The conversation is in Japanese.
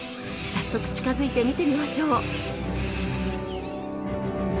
早速近づいて見てみましょう。